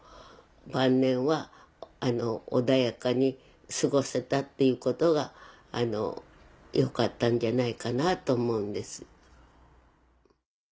晩年は穏やかに過ごせたっていうことがよかったんじゃないかなと思うんです。